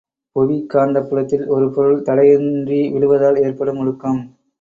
புவிக் காந்தப் புலத்தில் ஒரு பொருள் தடையின்றி விழுவதால் ஏற்படும் முடுக்கம்.